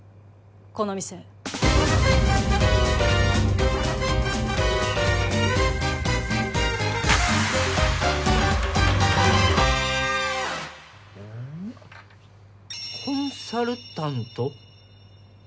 この店コンサルタント？